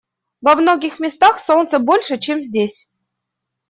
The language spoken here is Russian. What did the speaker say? Во многих местах солнца больше, чем здесь.